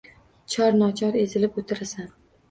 Chor-nochor ezilib o’tirasan.